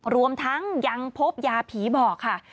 รวมทั้งยังพบยาผีบอกค่ะ